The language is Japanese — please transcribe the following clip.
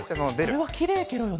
それはきれいケロよね。